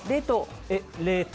冷凍？